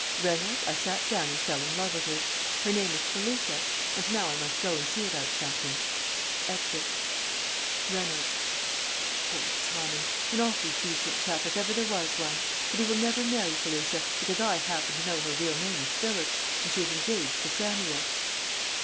Reynolds, I sat down and fell in love with her. Her name was Felicia. And now I must go and see about something. [Exit. Reynolds. Poor Tommy! An awfully decent chap if ever there was one. But he will never marry Felicia, because I happen to know her real name is Phyllis, and she is engaged to Samuel.